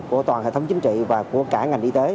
của toàn hệ thống chính trị và của cả ngành